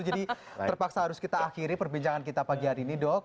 jadi terpaksa harus kita akhiri perbincangan kita pagi hari ini dok